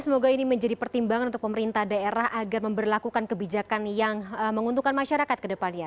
semoga ini menjadi pertimbangan untuk pemerintah daerah agar memperlakukan kebijakan yang menguntungkan masyarakat ke depannya